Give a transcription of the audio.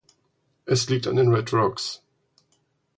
Es liegt an den Red Rocks.